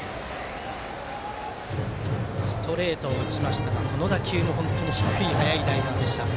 ストレートを打ちましたがこの打球も本当に低く速いライナーでした。